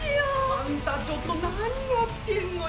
あんたちょっと何やってんのよ！